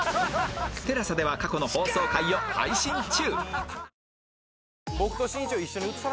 ＴＥＬＡＳＡ では過去の放送回を配信中